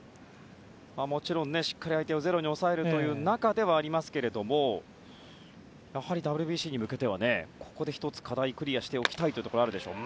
もちろん、しっかり相手をゼロに抑えるという中ではありますがやはりＷＢＣに向けてはここで１つ、課題をクリアしておきたいところでしょう。